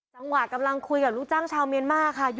จังหวะกำลังคุยกับลูกจ้างชาวเมียนมากค่ะ